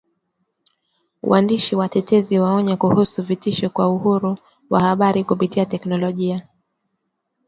Waandishi na watetezi waonya kuhusu vitisho kwa uhuru wa habari kupitia teknolojia